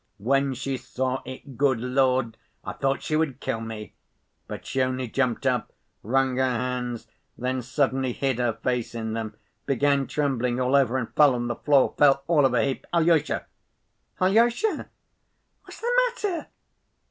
'... When she saw it, good Lord! I thought she would kill me. But she only jumped up, wrung her hands, then suddenly hid her face in them, began trembling all over and fell on the floor ... fell all of a heap. Alyosha, Alyosha, what's the matter?"